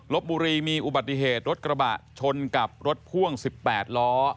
บุรีมีอุบัติเหตุรถกระบะชนกับรถพ่วง๑๘ล้อ